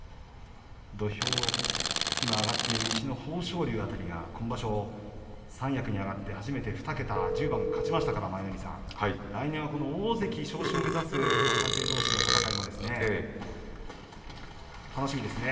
土俵に上がっている西の豊昇龍辺りが今場所三役に上がって初めて２桁１０番勝ちましたから来年は大関昇進を目指す若手同士の戦いも楽しみですね。